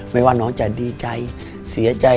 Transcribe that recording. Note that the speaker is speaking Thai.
ไม่ว่าน้องจะดีใจเสียใจ